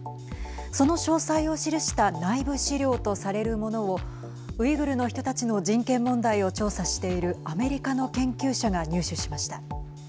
その詳細を記した内部資料とされるものをウイグルの人たちの人権問題を調査しているアメリカの研究者が入手しました。